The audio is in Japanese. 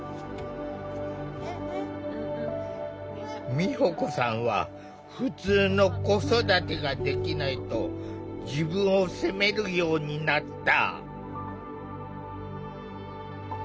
美保子さんはふつうの子育てができないと自分を責めるようになった。